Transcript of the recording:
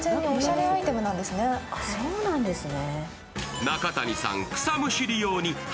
そうなんですね。